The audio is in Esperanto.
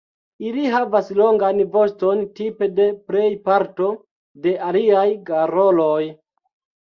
Ili havas longan voston tipe de plej parto de aliaj garoloj.